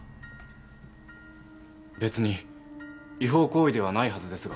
別に違法行為ではないはずですが。